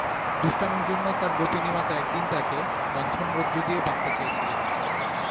দুষ্টামির জন্য তাঁর গোপিনী মাতা একদিন তাঁকে মন্থনরজ্জু দিয়ে বাঁধতে চেয়েছিলেন।